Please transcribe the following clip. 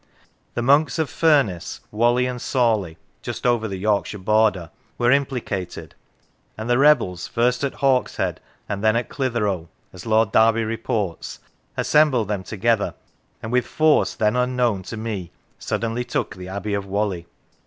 The monks of Furness, Whalley, and Sawley (just over the Yorkshire border) were implicated, and the rebels, first at Hawkshead, and then at Clitheroe, as Lord Derby reports, " assembled them together and with force then unknown to me suddenly took the Abbey of Whalley."